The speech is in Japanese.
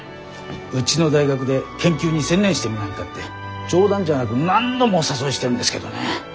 うちの大学で研究に専念してみないかって冗談じゃなく何度もお誘いしてるんですけどね。